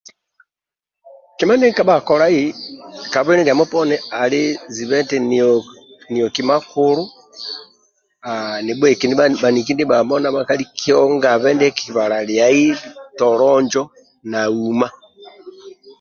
Kima ndie nkikabhaga kolai ka bwile ndiamo poni ali ziba eti nioki makulu nibhueki baniki ndibhamo kiongabe ndie kikibala liai tolo njo na uma